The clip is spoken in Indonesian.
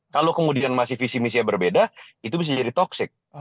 kalau kemudian masih visi misinya berbeda itu bisa jadi toxic